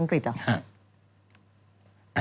อังกฤษอ่ะ